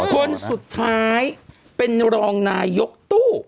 คนสุดท้ายเป็นรองนายกตู้